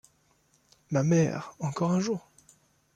Ma mère, encore un jour!